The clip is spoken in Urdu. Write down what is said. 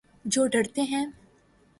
جو ڈرتے ہیں